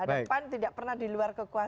ada pan tidak pernah di luar kekuasaan